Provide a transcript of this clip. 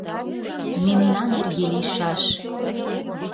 Мемнан эрге лийшаш.